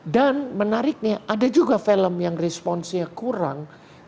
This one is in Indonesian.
dan menariknya ada juga film yang responsenya kurang